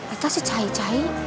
ada sih cahai cahai